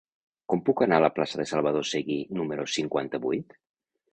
Com puc anar a la plaça de Salvador Seguí número cinquanta-vuit?